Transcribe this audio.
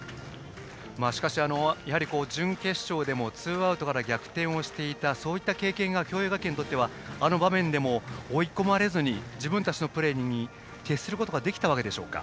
準決勝でもツーアウトから逆転をしていたそういった経験が共栄学園にとってはあの場面でも追い込まれずに自分たちのプレーに徹することができたんでしょうか。